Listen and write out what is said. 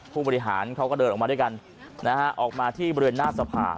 ผู้บริหารเขาก็เดินออกมาด้วยกันนะฮะออกมาที่บริเวณหน้าสภา